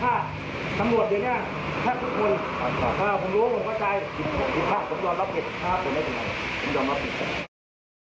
หรือที่ต้องเราตนัดขดที่เนื้อ